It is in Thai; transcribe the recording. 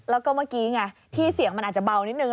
แล้วก็เมื่อกี้ไงที่เสียงมันอาจจะเบานิดนึง